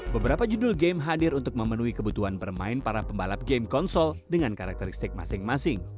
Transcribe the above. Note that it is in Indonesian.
beberapa judul game hadir untuk memenuhi kebutuhan bermain para pembalap game konsol dengan karakteristik masing masing